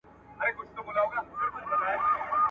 د اغزیو په کاله کي خپل ملیار په سترګو وینم !.